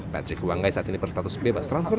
patrick wanggai saat ini berstatus bebas transfer